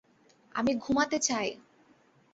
আমি ঘুমাতে চাই!